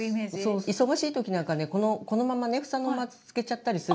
忙しい時なんかねこのままね房のまま漬けちゃったりするんですけれどもね。